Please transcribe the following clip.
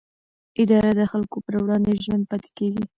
اداره د خلکو پر وړاندې ژمن پاتې کېږي.